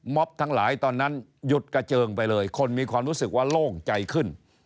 ทั้งหลายตอนนั้นหยุดกระเจิงไปเลยคนมีความรู้สึกว่าโล่งใจขึ้น